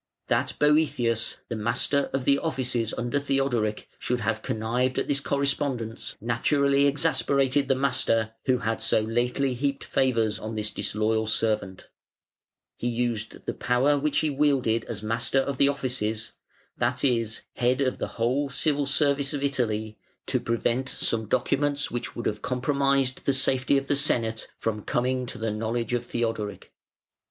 That Boëthius, the Master of the Offices under Theodoric, should have connived at this correspondence, naturally exasperated the master who had so lately heaped favours on this disloyal servant. But in addition to this he used the power which he wielded as Master of the Offices, that is, head of the whole Civil Service of Italy, to prevent some documents which would have compromised the safety of the Senate from coming to the knowledge of Theodoric.